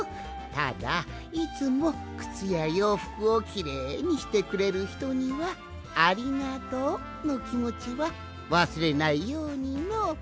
ただいつもクツやようふくをきれいにしてくれるひとには「ありがとう」のきもちはわすれないようにの。